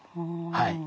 はい。